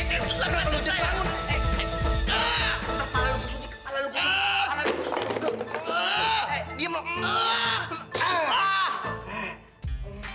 eh diam lo